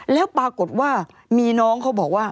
แล้วปรากฏว่ามีน้องเขาบอกว่า